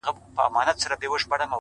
ستا د څوڼو ځنگلونه زمـا بــدن خـوري!